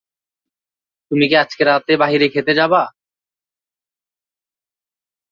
জাতীয় পর্যায়ের বিভিন্ন ধরনের অনুষ্ঠানে প্রতিষ্ঠানটি অংশ গ্রহণ করে বিভিন্ন ক্ষেত্রে প্রশংসিত ও পুরস্কৃত হচ্ছে।